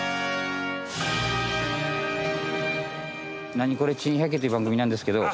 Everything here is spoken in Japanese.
『ナニコレ珍百景』という番組なんですけど。